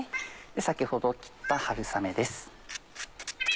先ほど切った春雨です。